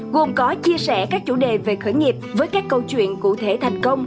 gồm có chia sẻ các chủ đề về khởi nghiệp với các câu chuyện cụ thể thành công